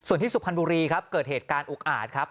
ส่วนที่สุพรรณบุรีครับเกิดเหตุการณ์อุกอาจครับ